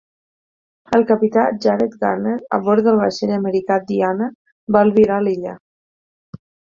El capità Jared Gardner a bord del vaixell americà "Diana" va albirar l'illa.